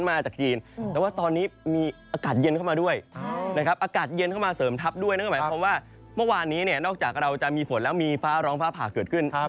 เมื่อวานนี้เราก็จะมีฝนแล้วเตียงมีฟ้าร่องฝ้าผ่าขึดขึ้น